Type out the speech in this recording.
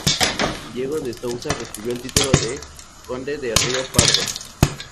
Diego de Souza recibió el título de "Conde de Río Pardo".